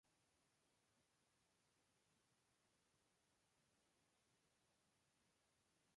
Shivá salta sobre el enano y le aplasta la espalda con un pie.